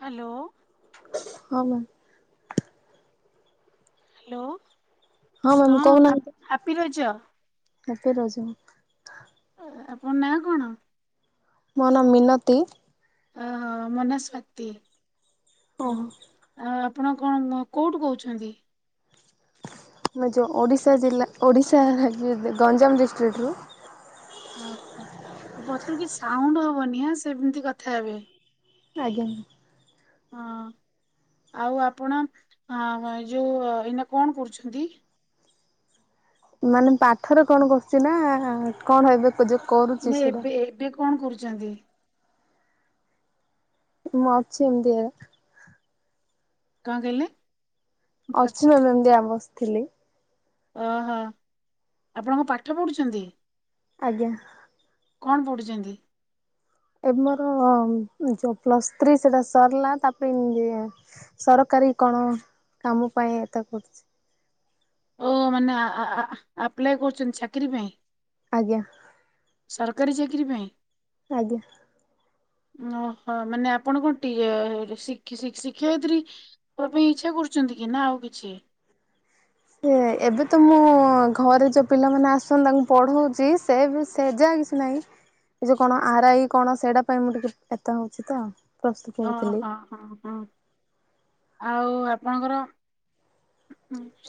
Hello ହଁ ma'am hello. Ma'am ହଁ କହୁନାହାନ୍ତି ହାପି ରଜ। ହାପି ରଜ। ଆପଣ ନାଁ କଣ? ମୋ ନାଁ ମିନତି ମୋ ନାଁ ସ୍ୱାତୀ ଓହୋ [unintelligible] ଆପଣ କଣ କୋଉଠୁ କହୁଛନ୍ତି। ମୁଁ ଯେଉଁ ଓଡ଼ିଶା ଜିଲ୍ଲା ଓଡ଼ିଶା ରାଜ୍ୟ ଗଞ୍ଜାମ ଡିଷ୍ଟ୍ରିକ୍ଟରୁ ଓହୋ ପଛରୁ କିଛି ସାଉଣ୍ଡ ହବନି ଆଁ ସେମିତି କଥା ହେବେ ଆଜ୍ଞା ହଁ ଆଉ ଆପଣ ଯୋଉ ଏଇନା କଣ କରୁଛନ୍ତି। ମାନେ ପାଠରେ କଣ କରୁଚି ନା କଣ ଏବେ। କରୁଛି ନାଇଁ ସେଇଟା ଏବେ ଏବେ କଣ କରୁଛନ୍ତି। କରୁଛନ୍ତି। ମୁଁ ଅଛି ଏମିତିଆ। କଣ କହିଲେ। ଫାର୍ଷ୍ଟ [unintelligible] ଥିଲେ। ଓହୋ ଆପଣ କଣ ପାଠ ପଢୁଛନ୍ତି। ଆଜ୍ଞା। କଣ ପଢୁଛନ୍ତି। ଏ ମୋର ପ୍ଲସ୍ ଥ୍ରୀ ସେଟା ସରିଲା ତା ପାଇଁ ସରକାରୀ କଣ କାମ ପାଇଁ ଏତେ କରୁଛି। ଓ ମାନେ ଆପ୍ଲାଏ କରୁଛନ୍ତି ଚାକିରି ପାଇଁ। ଆଜ୍ଞା। ସରକାରୀ ଚାକିରି ପାଇଁ। ଆଜ୍ଞା ଓହୋ ମାନେ ଆପଣ କଣ ଟି ଶିକ୍ଷୟିତ୍ରୀ ପାଇଁ ଇଚ୍ଛା କରୁଛନ୍ତି କି ନା ଆଉ କିଛି? ସେ ଏବେ ତ ମୁଁ ଘରେ ଯୋଉ ପିଲାମାନେ ଆସନ୍ତି ତାଙ୍କୁ ପଢଉଛି ସେ ସେ ଯା କିଛି ନାହିଁ ଏ ଯୋଉ କଣ ଆରଆଇ କଣ ସେଇଟା ପାଇଁ ମୁଁ ଟିକେପ୍ରିପାର ହଉଛି ତ। ପ୍ରସ୍ତୁତ ଓ ହଉଥିଲି। ହୋ ହଁ ହଁ। ଆଉ ଆପଣଙ୍କର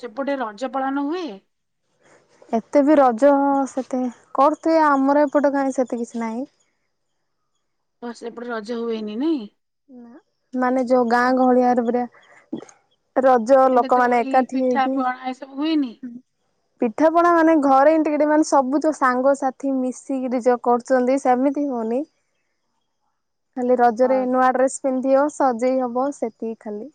ସେପଟେ ରଜ ପାଳନ ହୁଏ। ଏତେ ବି ରଜ ସେତେ କରୁଥିବେ ଆମର ଏପଟେ କାହିଁ ସେତ କିଛି ନାହିଁ। ହସ ଏପଟେ ରଜ ହୁଏନି ନାଇଁ। ମାନେ ଯୋଉ ଗାଁ ହଁ, ଗହଳିଆରେ ପ ରଜ ଲୋକମାନୋନ ଏକାଠି ହେଇକି ହୋଇୁଇଏନି? ପିଠାପଣା ମାନେ ଘରେ ଏ ଟ ମାନେ ସବୁ ଯୋଉ ସାଙ୍ଗସାଥି ମିଶିକି ଯୋଉ କରୁଛନ୍ତି ସେମିତି ହଉନି। ଖାଲି ଅ ରଜରେ ନୂଆ ଡ୍ରେସ୍ ପିନ୍ଧିବ ସଜେଇ ହବ ସେତିକି ଖାଲି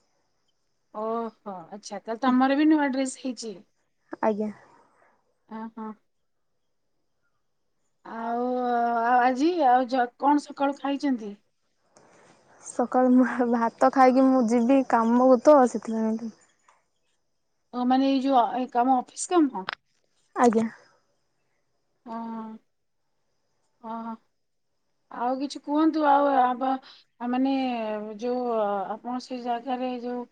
ଓହୋ। ଆଛା ତମର ବି ନୂଆ ଡ୍ରେସ କିଜିି। ଆଜ୍ଞା। ଓ ହୋ। ଆଉ ଆଉ ଆଜି ଆଉ କଣ ସକାଳୁ ଖାଇଛନ୍ତି। ସକାଳୁ ଭାତ ଖାଇକି ମୁଁ ଯିବି କାମକୁ ତ ଆସିଥିଲାଣି। ମାନେ ଏଇ ଯୋଉ କାମ ଅଫିସ କାମ। ଆଜ୍ଞା। ହଁ ହ ଆଉ କିଛି କୁହନ୍ତୁ ଆଉ ଆ ମାନେ ଯୋଉ ଆପଣ ସେ ଜାଗାରେ ଯୋଉ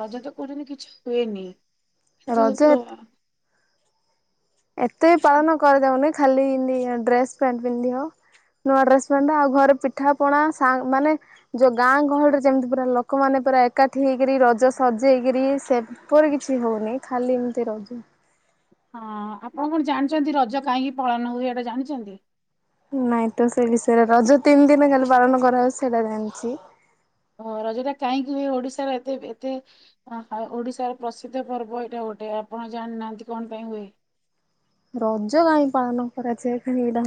ରଜ ତ କରହୁଛନ୍ତି କିଛି ହୁଏନି। କିନ୍ତୁ ରଜ ତ ଏତେ ପାଳନ କରିଦଉନି ଖାଲି ଏମତି ଡ୍ରେସ ପଣ୍ଟ ପିନ୍ଧି ହ ନୂଆ ଡ୍ରେସ ପଣ୍ଟ ଆଉ ଘରେ ପିଠା ପଣା ମାନେ ଯୋଉ ଗାଁ ଗହଳିରେ ଯେମିତି ପୁରା ଲୋକମାନେ ପୁରା ଏକାଠି ହେଇକରି ରଜ ସଜେଇକରି ସେପରି କିଛି ହଉନି ଖାଲି ଏମିତି ରଜ। ହଁ ଆପଣ କଣ ଜାଣିଛନ୍ତି ରଜ କାହିଁକି ପାଳନ ହଉଛି ଏଇଟା ଜାଣିଛନ୍ତି? ନାଇଁ ତ ସେ ବିଷୟରେ ରଜ ତିନି ଦିନ ଖାଲି ପାଳନ କରାହୋଉ ସେଇଟା ଜଣିଛି। ହଁ ରଜଟା କାହିଁକି ହୁଏ ଓଡିଶାର ଏତେ ଏତେ ଓଡିଶାର ପ୍ରସିଦ୍ଧ ପର୍ବ ଏଇଟା ଗୋଟେ ଆପଣ ଜାଣିନାହାନ୍ତି କଣ ପାଇଁ ହୁଏ। ରଜ ତାାଇ ପାଳନ ପରାଛି ନେଇଟା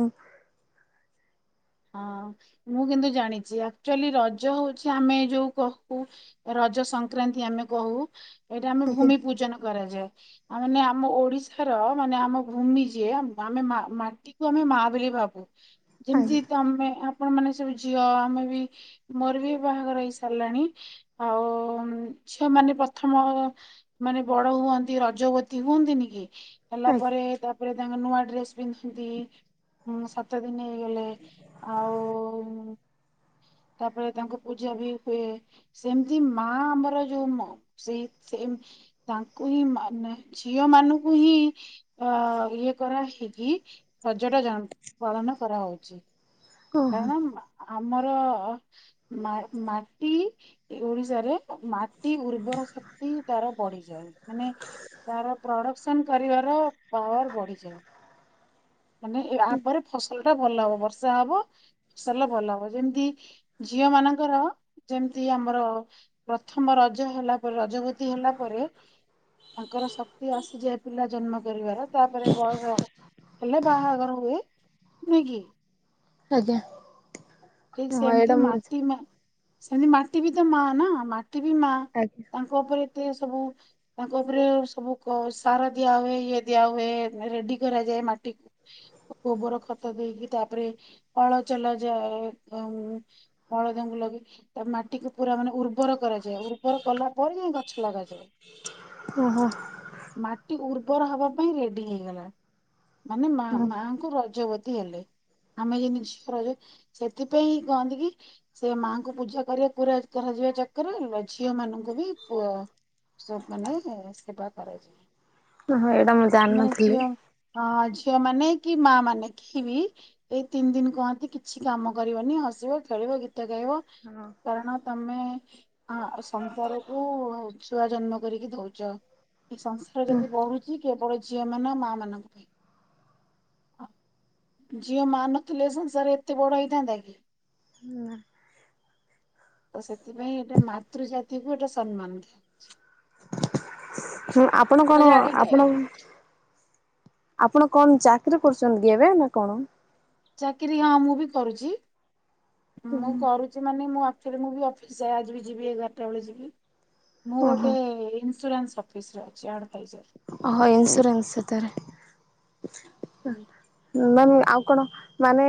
ହଁ ମୁଁ କିନ୍ତୁ ଜାଣିଛି ଆକ୍ଚୁଆଲି ରଜ ହଉଛି ଆମେ ଯୋଉ କହୁ ରଜ ସଂକ୍ରାନ୍ତି ଆମେ କହୁ ଏଇଟା ଆମେ ଆଜ୍ଞା ଭୂମି ପୂଜନ କରାଯାଏ। ଆ ମାନେ ଆମ ଓଡ଼ିଶାର ମାନେ ଆମ ଭୂମି ଯିଏ ଆମେ ମାଟିକୁ ଆମେ ମା ବୋଲି ଭାବୁ ଯେମିତି ଆଜ୍ଞା ଆମେ ଆପଣ ମାନେ ସବୁ ଝିଅ ଆମେ ବି ମୋର ବି ବାହାଘର ହେଇ ସାରିଲାଣି ଆଉ ଝିଅ ମାନେ ପ୍ରଥମ ମାନେ ବଡ ହୁଅନ୍ତି ରଜବତୀ ହୁଅନ୍ତିନି କି? ହେଲା ଆଜ୍ଞା ପରେ ତାପରେ ତାଙ୍କ ନୂଆ ଡ୍ରେସ ପିନ୍ଧନ୍ତି ସାତ ଦିନ ଗଲେ ଆଉ ତାପରେ ତାଙ୍କ ପୂଜା ବି ହୁଏ ସେମିତି ମା ଆମର ଯୋଉ ସେଇ ସେ ତାଙ୍କୁ ହିଁ ମାନେ ଝିଅ ମାନଙ୍କୁ ହିଁ ଅ ଇଏ କରା ହେଇକି ପର୍ଯ୍ୟଟ ପାଳନ କରାହଉଛି। ହଁ ହଁ କାରଣ ଆମର ମାଟି ଓଡିଶାରେ ମାଟି ଉର୍ବର ଶକ୍ତି ତାର ବଢିଯାଏ ମାନେ ତାର ପ୍ରଡ଼କ୍ସନ କରିବାର ପାୱାର ବଢିଯାଏ। ମାନେ ଆପରେ ଫସଲ ଟା ଭଲ ହବ ବର୍ଷା ହବ ଫସଲ ଭଲ ହବ ଯେମିତି ଝିଅ ମାନଙ୍କର ଯେମିତି ଆମର ପ୍ରଥମ ରଜ ହେଲା ପରେ ରଜବତୀ ହେଲା ପରେ ତାଙ୍କର ଶକ୍ତି ଆସିଯାଏ ପିଲା ଜନ୍ମ କରିବାର ତାପରେ ବୟସ ହେଲେ ବାହାଘର ହୁଏ ନୁ କି? ଆଜ୍ଞା ଠିକ ସେ ହଁ ଏମତି ଏଇଟା ମୁଁ ମାଟି ମ ସେମିତି ମାଟି ବି ତ ମା ନା ମାଟି ବି ମା ଆଜ୍ଞା ତାଙ୍କ ଉପରେ ଏତେ ସବୁ ତାଙ୍କ ଉପରେ ସବୁ ସାର ଦିଆ ହୁଏ ଇଏ ଦିଆ ହୁଏ ରେଡି କରାଯାଏ ମାଟିକୁ ଗୋବର ଖତ ଦେଇକି ତାପରେ ହଳ ଚଲା ଯାଏ। ବଳଦଙ୍କୁ ଲଗେଇ ତା ମାଟିକୁ ପୁରା ମାନେ ଉର୍ବର କରାଯାଏ ଉର୍ବର କଲା ପରେ ଯାଇ ଗଛ ଲଗାଯାଏ ଓହୋ ମାଟି ଉର୍ବର ହବା ପାଇଁ ରେଡି ହେଇଗଲା ମାନେ ମା ହଁ। ମାଙ୍କୁ ରଜବତୀ ହେଲେ ଆମେ ଯ ଜିନିଷ ରଜ ସେଥିପାଇଁଁ କହନ୍ତି କି ସେ ମାଙ୍କୁ ପୂଜା କରିବାକୁ ପୁରା କରାଯିବା ଚକରେ ଝିଅ ମାନଙ୍କୁ ବି ପ ସବ ମାନେ ସେବା କରାଯାଏ ଓ ହଁ ଏଇଟା ମୁଁ ମାନେ ଜାଣିନଥିଲି। ଝିଅ ହଁ ଝିଅ ମାନେ କି ମା ମାନେ କି ବି ଏଇ ତିନି ଦିନ କହନ୍ତି କିଛି କାମ କରିବନି ହସିବ ଖେଳିବ ଗୀତ ଗାଇବ କାରଣ ତମେ ସଂସାରକୁ ଛୁଆ ଜନ୍ମ କରିକି ଦଉଛ। ଏ ସଂସାର ଯଦି ବଢୁଛି କେବଳ ଝିଅ ମାନ ମା ମାନଙ୍କ ପାଇଁ ଝିଅ ମା ନଥିଲେ ସଂସାର ଏତେ ବଡ ହେଇ ଥାଆନ୍ତା କିି? ତ ସେଥିପାଇଁ ଏଟେ ମାତୃ ଜାତିକୁ ଗୋଟେ ସମ୍ମାନ ଦିଆଉଛି। ହୁଁ ଆପଣ କଣ ଆପଣ? ଆପଣ କଣ ଚାକିରୀ କରୁଛନ୍ତି ଏବେ ନା କଣ? ଚାକିରି ହଁ ମୁଁ ବି କରୁଛି। ମୁଁ କରୁଛି ମାନେ ମୁଁ ଫରେ ମୁଁ ବି ଅଫିସ ଯାଏ ଆଜି ବି ଯିବି ଏଗାରଟା ବେଳେ ଯିବି। ମୁଁ ଓହୋ ଗୋଟେ ଇନ୍ସୁରାନ୍ସ ଅଫିସରେ ଅଛି ଆଡ଼େ ଓ ହୋ ଇନ୍ଶୁରଂସ୍ ଏଥିରେ ହୁଁ। ମ୍ୟାମ୍ ଆଉ କଣ ମାନେ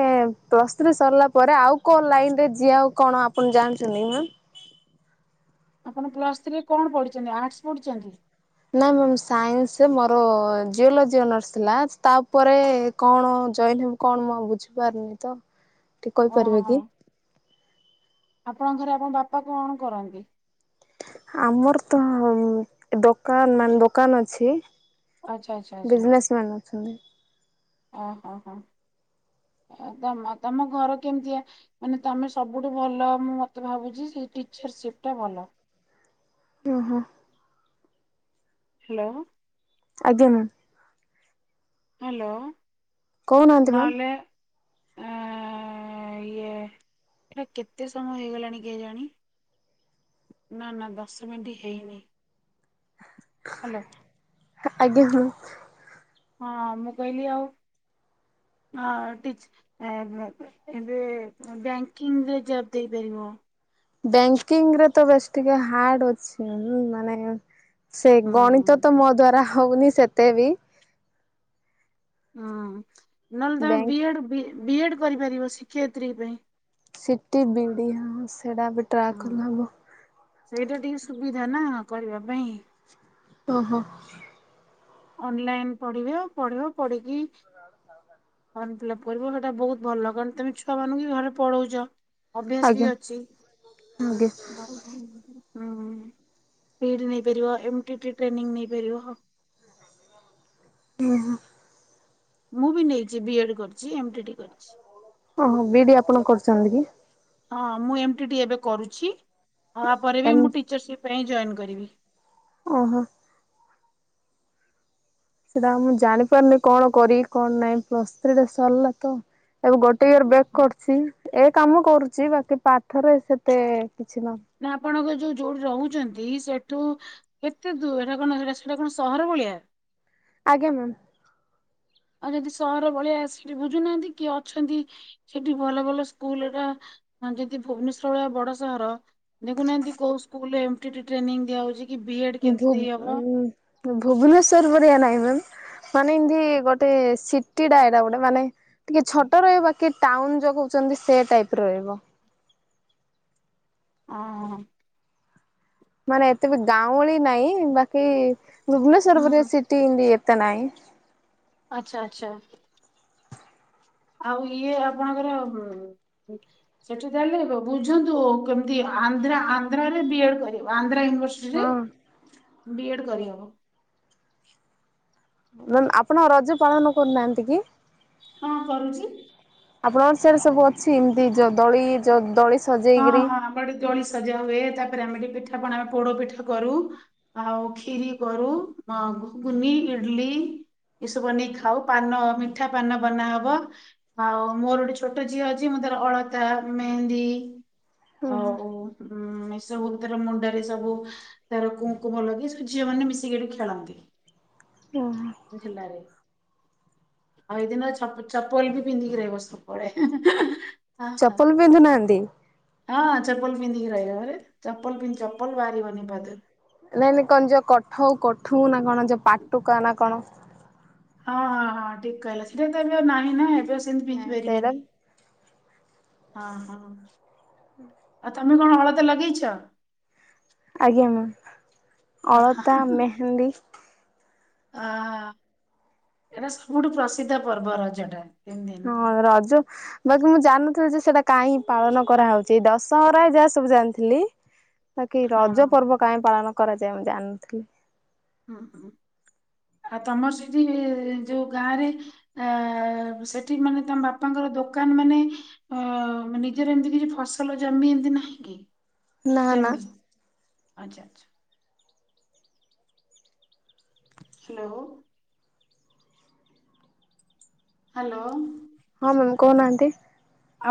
ପ୍ଲସ୍ ଥ୍ରି ସରିଲା ପରେ ଆଉ କଣ ଲାଇନରେ ଯିବା ଆଉ କଣ ଆପଣ ଜାଣିଛନ୍ତି କି ମ୍ୟାମ୍? ଆପଣ ପ୍ଲସ୍ ଥ୍ରୀରେ କଣ ପଢିଛନ୍ତି ଆର୍ଟସ ପଢିଛନ୍ତି। ନାଇ ମ୍ୟାମ୍ ସାଇନ୍ସ ରେ ମୋର ଜିଓଲୋଜି ଅନର୍ସ ଥିଲା ତାପରେ କଣ ଜଏନ୍ କଣ ମୁଁ ବୁଝିପାରନି ତ। ଟିକେ କହିପାରିବେ ଓହୋ କି? ଆପଣଙ୍କ ଘରେ ଆପଣ ବାପା କଣ କରନ୍ତି? ଆମର ତ ଦୋକାନ ମାନ ଜି- ଦୋକାନ ଅଛି ଆଚ୍ଛା ଆଚ୍ଛା ଆଚ୍ଛା ବିଜନେସେମ୍ୟନ୍ ଅଛନ୍ତି। ଓହୋ ହୋ ତ ତମ ଘର କେମିତିଆ ମାନେ ତମେ ସବୁଠୁ ଭଲ ମୁଁ ମତେ ଭାବୁଛି ସେ ଟିଚରସିପ୍ ଟା ଭଲ। ଓ ହୋ ହ୍ୟାଲୋ ଆଜ୍ଞା ମ୍ୟାମ୍। ହ୍ୟାଲୋ କହୁ ନାହାନ୍ତି ମ୍ୟାମ୍? ନହେଲେ ଇଏ ଏଇଟା କେତେ ସମୟ ହେଇଗଲାଣି କେହି ଜାଣି ନା ନା ଦଶ ମିନିଟ ହେଇନି ହ୍ୟାଲୋ ଆଜ୍ଞା ହଁ ହଁ ମୁଁ କହିଲି ଆଉ ଏବେ ବ୍ୟାଙ୍କିଙ୍ଗରେ ଜବ ଦେଇପାରିବ। ବ୍ୟାଙ୍କିଙ୍ଗ ରେ ତ ବେଶ ଟିକେ ହାର୍ଡ ଅଛି ମାନେ ସେ ଗଣିତ ହଁ। ତ ମୋ ଦ୍ଵାରା ହଉନି ସେତେ ବି ହଁ। ନଲେ ତେ ବ୍ୟାଙ୍କ ବୟଡ଼ ବି ଏଡ୍ କରିପାରିବ ଶିକ୍ଷୟତ୍ରୀ ପାଇଁ। ସିଟି ବିଡ଼ି ହଁ। ସେଇଟାବେ ଟ୍ରାକ୍ ହଁ କଲେ ହବ। ସେଇଟା ଟିକେ ସୁବିଧା ନା କରିବା ପାଇଁ। ଓ ହୋ। ଅନଲାଇନ ପଢିବ ପଢିବ ପଢିକି ଫର୍ମ ଫିଲ୍ଅପ୍ କରିବ ସେଇଟା ବହୁତ ଭଲ କାରଣ ତମେ ଛୁଆମାନାନଙ୍କୁ ଘରେ ପଢଉଛ। ଅଭ୍ୟାସ ବି ଆଜ୍ଞା ଅଛି। ହଁ ନେଇପାରିବ ଟ୍ରେନିଂ ନେଇପାରିବ ଓହୋ। ମୁଁ ବି ନେଇଛି ବି ଏଡ କରିଛି ଏମଟି ଟି କରିଛି ଓହୋ ବିଡି ଆପଣ କରୁଛନ୍ତି କି। ହଁ ମୁଁ ଏମିତି ଟ ଏବେ କରୁଛି। ତାପରେ ବି ଏମ୍ ମୁଁ ଟିଚରସିପ ପାଇଁ ଜଏନ୍ କରିବି। ଓହୋ ସେଟା ମୁଁ ଜାଣିପାରୁନି କଣ କରିବି କଣ ନାଇଁ ପ୍ଲସ ଥ୍ରୀ ଟା ସରିଲା ତ ଏବେ ଗୋଟେ ର ବ୍ୟାଗ କରୁଛି ଏକ କାମ କରୁଛି ବାକି ପାଠରେ ସେତେ କିଛି ନାହିଁ। ନା ଆପଣଙ୍କ ଯୋଉ ଯୋଉଠି ରହୁଛନ୍ତି ସେଠୁ କେତେ ଦୂର ସେଟା କଣ ସେଟ ସେଟା କଣ ସହର ଭଳିଆ। ଆଜ୍ଞା ମ୍ୟାମ୍। ଆଉ ଯଦି ସହର ଭଳିଆ ସେଠି ବୁଝୁନାହାନ୍ତି କିଏ ଅଛନ୍ତି ସେଠି ଭଲ ଭଲ ସ୍କୁଲା ଯଦି ଭୁବନେଶ୍ଵର ଭଳିଆ ବଡ ସହର ଦେଖୁନାହାନ୍ତି କୋଉ ସ୍କୁଲରେ ଟ୍ରେନିଂ ଦିଆ ହଉଛି। ଭୁ ଭୁବନେଶ୍ୱର ଭଆ ନାହିଁ ମ୍ୟାମ। ମାନେ ଏମତି ଗୋଟେ ସିଟିଟା ଏଇଟା ଗୋଟେ ମାନେ ଟିକେ ଛୋଟ ରହିବା କେ ଟାଉନ ଯୋଉ କହୁଛନ୍ତି ସେ ଟାଇପର ରହିବ। ହଁ ହଁ। ମାନେ ଏତେ ବି ଗାଉଁଳି ନାଇଁ ବା କି ଭୁବନେଶ୍ୱର ବ ହୁଁ ସିଟି ଇ ତ ନାହିଁ ଆଚ୍ଛା ଆଚ୍ଛା। ଆଉ ଇଏ ଆପଣଙ୍କର ସେଠି ତାହଲେ ବୁଝନ୍ତୁ କେମିତି ଆନ୍ଧ୍ରା ଆନ୍ଧ୍ରରେ ବି ଏଡ କର ଆନ୍ଧ୍ର ହଁ କର। ହ ଆପଣଉ ରଜ ପାଳନ କରୁନାହାନ୍ତି କି? ହଁ କରୁଛି? ଆପଣଙ୍କ ସରେ ସବୁ ଅଛି ଏମିତି ଯୋଉ ଦଳି ଯୋଉ ଦଳି ହଁ ହଁ ଆମ୍ବଆଡେ ଦୋଳି ସେ ସଜା ହୁଏ ତାପରେ ଆମେ ଏଠି ପିଠା ପଣା ପୋଡ ପିଠା କରୁ ଆଉ ଖିରି କରୁ ଆଁ ଘୁଗୁନି ଇଡିଲି ଏସବୁ ବନେଇ ଖାଉ ପାନ ମିଠା ପାନ ବନାହବ ଆଉ ମୋର ଗୋଟେ ଛୋଟ ଝିଅ ଅଛି ମୁଁ ତାର ଅଳତା ମେହେନ୍ଦୀ ଅଉ ହୁଁ। ଉଁ ଏସବୁ ତାର ମୁଣ୍ଡରେ ସବୁ ତାର କୁଙ୍କୁମ ଲଗେଇ ସବୁ ଝିଅ ମାନେ ମିଶିକି ଏଠି ଖେଳନ୍ତି। ହେଲାରେ। ଆଉ ଏଇଦିନ ଛପ ଚପଲ ବି ପିନ୍ଧିକି ରହିବ ସବୁବେଳେ। ହଁ ହଁ। ଚପଲ ପିନ୍ଧୁନାହାନ୍ତି। ହଁ ଚପଲ ପିନ୍ଧିକି ରହିବ ଘରେ ଚପଲ ପିି ଚପଲ ବାହାରିିବନି ପାଦରୁ। ନାଇଁ ନାଇଁ କଣ ଯୋଉ କଠଉ କଠୁ ନା କଣ ଯୋ ପାଟୁକା ନା କଣ। ହଁ ହଁ ହଁ ଠିକ କହିଲ ସେଟା ତ ଏବେ ଆଉ ନାହିଁ ନା ଏ [unintelligible] ନାଇଁ ପିନ୍ଧି ସେଇଟା ପାରିବେନି। ହଁ ହଁ ଆଉ ତ ତମେ କଣ ହଳଦି ଲଗେଇଛ। ଆଜ୍ଞା ମୁ ଅଳତା ମେହେନ୍ଦୀ ଅ ଏଇଟା ସବୁଠୁ ପ୍ରସିଦ୍ଧ ପର୍ବ ରଜଟା। ତିନି ଦିନ ହଁ ରଜ ବାକି ମୁଁ ଜାନୁ ତସେଇଟା କାଇଁ ପାଳନ କରାହଉଛି ଦଶହରା ଯାହା ସବୁ ଜାଣିଥିଲି। ବାକି ରଜ ହଁ। ପର୍ବ କାହିଁ ପାଳନ କରାଯାଏ ମୁଁ ଜାଣିନଥିଲି। ହୁଁ ହୁଁ ଆଉ ତମର ସେଠି ଯୋଉ ଗାଁରେ ଏଁ ସେଠି ମାନେ ତମ ବାପାଙ୍କର ଦୋକାନ ମାନେ ଅ ନିଜର ଏମିତି କିଛି ଫସଲ ଜମି ଏମତି ନାହିଁ କି। ନାନା। ଜମି ଆଚ୍ଛା ଆଚ୍ଛା ହ୍ୟାଲୋ। ହାଲୋ। ହଁ ମାମ କହୁନାହାନ୍ତି।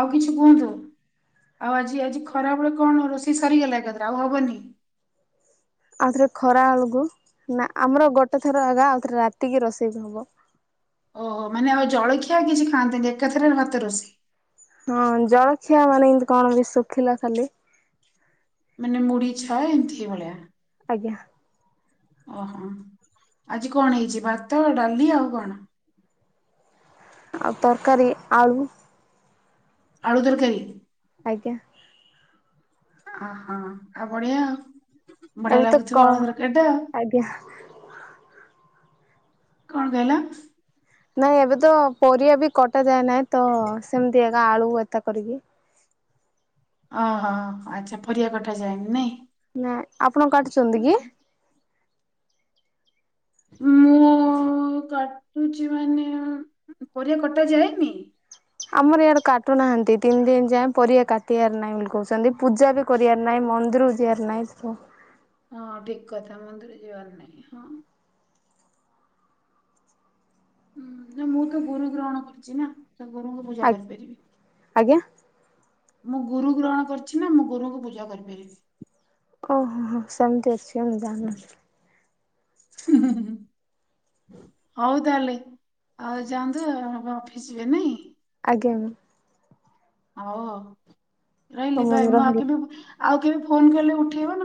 ଆଉ କିଛି କୁହନ୍ତୁ ଆଉ ଆଜି ଆଜି ଖରାବେଳେ କଣ ରୋଷେଇ ସରିଗଲା ଏକାଥରେ ଆଉ ହବନି। ଆଉ ଥରେ ଖରା ଅଳୁଗୁ ନା ଆମର ଗୋଟେ ଥର ଆ ଗା ଆଉ ଥରେ ରାତି କିି ରୋଷେଇ ହବ ଓହୋ ମାନେ ଆଉ ଜଳଖିଆ କିଛି ଖାଆନ୍ତିନି ଏକାଥରେ ଭାତ ରୋଷେଇ। ହଁ ଜଳଖିଆ ମାନେ ଏନ୍ତି କଣ କି ଶୁଖିଲା ଖାଲି। ମାନେ ମୁଡି ଛଏ ଏନ୍ଥିି ଭଳିଆ। ଆଜ୍ଞା। ଓହୋ ଆଜି କଣ ହେଇଛି ଭାତ ଡାଲି ଆଉ କଣ। ଆଉ ତରକାରୀ ଆଳୁ ଆଳୁ ତରକାରୀ। ଆଜ୍ଞା। ଅହୋ ଆଉ ବଢିଆ ଆଉ। ବଢିଆ ଏବେ ତ ଲାଗୁଥିବ କ ଆଳୁ ତରକାରୀ ଟା ଆଉ ଆଜ୍ଞା। କଣ କହିଲ। ନାଇଁ ଏବେ ତ ପରିବା ବି କଟା ଯାଏ ନାଇଁ ତ ସେମିତି ଏକା ଆଳୁ ଏତା କରିକି। ଓହୋ ଆଚ୍ଛା ପରିବା କଟା ଯାଏନି ନାଇଁ। ନା ଆପଣ କାଟୁଛନ୍ତି କି ମୁଁ କାଟୁଛି ମାନେ ପରିବା କଟା ଯାଏନି ଆମର ଇଆଡେ କାଟୁନାହାନ୍ତି ତିନି ଦିନ ଯାଏଁ ପରିବା କାଟିବାର ନାହିଁ ବୋଲି କହୁଛନ୍ତି ପୂଜା ବି କରିବାର ନାହିଁ ମନ୍ଦିରକୁ ଯିବାର ନାହିଁ ହଁ ଠିକ କଥା ମନ୍ଦିରେ ଯିବାର ନାାଇଁ ହଁ ହୁଁ ନା ମୁଁ ତ ଗୁରୁ ଗ୍ରହଣ କରିୁଛି ନା ସେ ଗୋରୁଙ୍କୁ ପୂଜା ଆଜ୍ଞା। କରିପାରିବି। ଆଜ୍ଞା ମୁଁ ଗୁରୁ ଗ୍ରହଣ କରିଛି ନା ମୁଁ ଗୁରୁଙ୍କୁ ପୂଜା କରିପାରିବି। ଓହୋ ହୋ ସେମିତି ଅଛି। କେମ ଜାଣନ ହଉ ତାହେଲେ ଆଉ ଯାଆନ୍ତୁ ଅଫିସ ଯିବେ ନାଇଁ [unintelligible] ହଉ ହଉ ରହିଲି ମ୍ୟାମ୍ ଭାଇ ମୁଁ ରହିଲି। ଆଗ ବି ଆଉ କେବେ ଫୋନ କଲେ ଉଠେଇବ ନା